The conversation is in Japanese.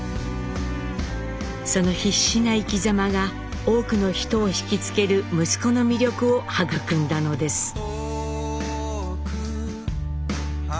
その必死な生きざまが多くの人を引き付ける息子の魅力を育んだのです。